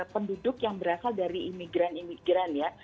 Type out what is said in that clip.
penduduk yang berasal dari imigran imigran ya